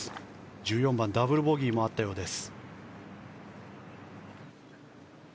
１４番、ダブルボギーもあったようです。